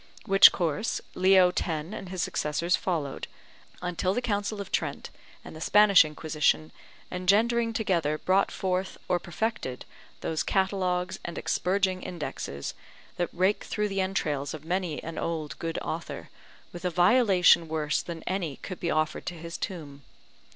Which course Leo X. and his successors followed, until the Council of Trent and the Spanish Inquisition engendering together brought forth, or perfected, those Catalogues and expurging Indexes, that rake through the entrails of many an old good author, with a violation worse than any could be offered to his tomb.